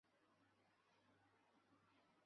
由他的儿子埃兰迪尔接位。